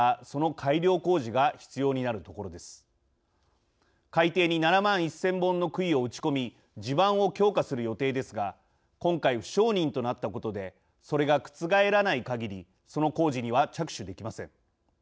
海底に７万１０００本のくいを打ち込み地盤を強化する予定ですが今回、不承認となったことでそれが覆らないかぎりその工事には着手できません。